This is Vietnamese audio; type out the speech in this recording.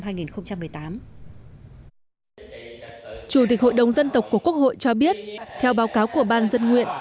chủ tịch hội đồng dân tộc của quốc hội cho biết theo báo cáo của ban dân nguyện